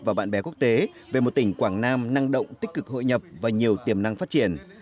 và bạn bè quốc tế về một tỉnh quảng nam năng động tích cực hội nhập và nhiều tiềm năng phát triển